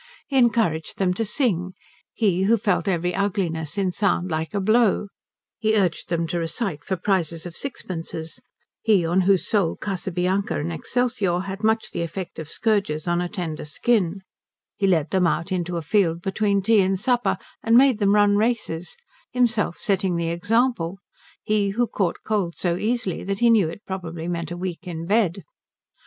He encouraged them to sing, he who felt every ugliness in sound like a blow; he urged them to recite for prizes of sixpences, he on whose soul Casabianca and Excelsior had much the effect of scourges on a tender skin; he led them out into a field between tea and supper and made them run races, himself setting the example, he who caught cold so easily that he knew it probably meant a week in bed.